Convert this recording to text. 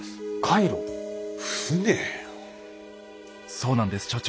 そうなんです所長。